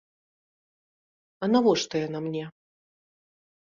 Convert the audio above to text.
А навошта яна мне?